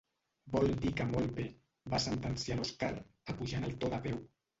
Vol dir que molt bé —va sentenciar l'Oskar, apujant el to de veu—.